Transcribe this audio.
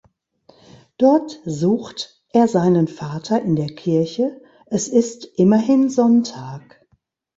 Dort sucht er seinen Vater in der Kirche, es ist immerhin Sonntag.